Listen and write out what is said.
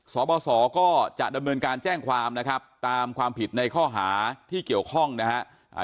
สบสก็จะดำเนินการแจ้งความนะครับตามความผิดในข้อหาที่เกี่ยวข้องนะฮะ